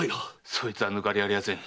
そいつはぬかりありません。